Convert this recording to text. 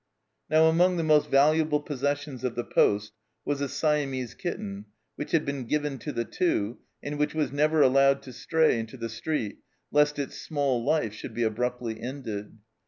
Now among the most valuable possessions of the poste was a Siamese kitten, which had been given to the Two, and which was never allowed to stray into the street, lest its small life should be abruptly ended.